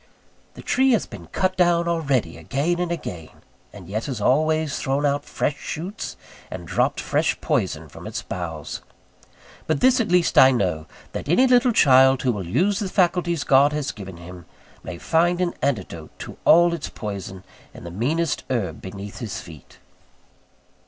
The tree has been cut down already again and again; and yet has always thrown out fresh shoots and dropped fresh poison from its boughs. But this at least I know: that any little child, who will use the faculties God has given him, may find an antidote to all its poison in the meanest herb beneath his feet.